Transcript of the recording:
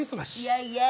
やいやい。